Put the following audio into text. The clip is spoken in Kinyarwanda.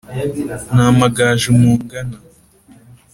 n'amagaju mungana